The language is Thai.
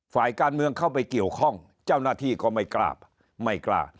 ฝ่ายการเมืองเข้าไปเกี่ยวข้องเจ้าหน้าที่ก็ไม่กล้าไม่กล้า